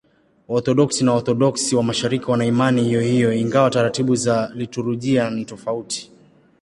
Waorthodoksi na Waorthodoksi wa Mashariki wana imani hiyohiyo, ingawa taratibu za liturujia ni tofauti.